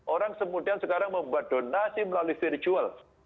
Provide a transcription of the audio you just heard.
orang semudah sekarang membuat donasi melalui virtual